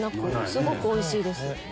すごくおいしいです。